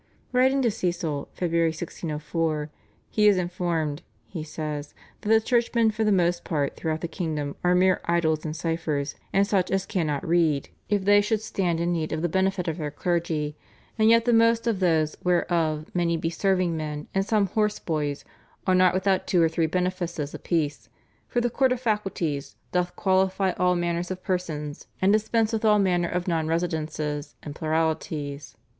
Writing to Cecil (Feb. 1604) "he is informed," he says, "that the churchmen for the most part throughout the kingdom are mere idols and ciphers, and such as cannot read, if they should stand in need of the benefit of their clergy; and yet the most of those whereof many be serving men and some horseboys, are not without two or three benefices apiece, for the Court of Faculties doth qualify all manner of persons, and dispense with all manner of non residences and pluralities.